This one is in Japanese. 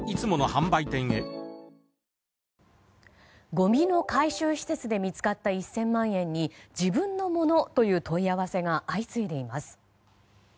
ごみの回収施設で見つかった１０００万円に自分のものという問い合わせが相次いでいます。